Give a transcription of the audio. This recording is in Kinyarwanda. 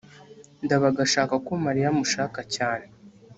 ndabaga ashaka ko mariya amushaka cyane